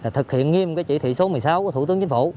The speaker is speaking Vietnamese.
thực hiện nghiêm chỉ thị số một mươi sáu của thủ tướng chính phủ